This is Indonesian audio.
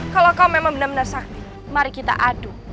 kalau kau benar benar sakti mari kita adu